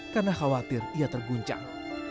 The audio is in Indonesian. karena khawatir ia terguncang